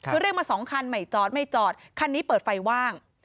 คือเรียกมาสองคันไม่จอดไม่จอดคันนี้เปิดไฟว่าง